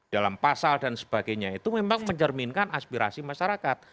dalam pasal dan sebagainya itu memang mencerminkan aspirasi masyarakat